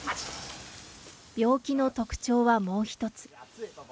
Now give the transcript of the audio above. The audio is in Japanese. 病気の特徴はもう一つ。